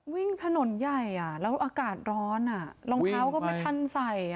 วิ่งถนนใหญ่แล้วอากาศร้อนรองเท้าก็ไม่ทันใส่